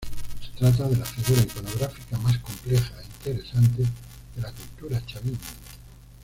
Se trata de la figura iconográfica más compleja e interesante de la cultura Chavín.